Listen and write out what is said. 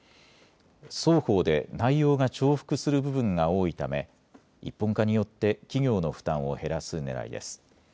双方で内容が重複する部分が多いため一本化によって企業の負担を減らすねらいです。